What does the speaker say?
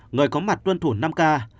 người có mặt tuân thủ năm ca